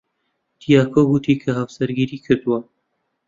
دیاکۆ گوتی کە هاوسەرگیری کردووە.